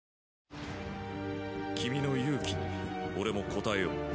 君の勇気に俺も応えよう。